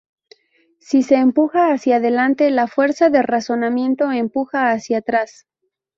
Si se empuja hacia delante la fuerza de rozamiento empuja hacia atrás.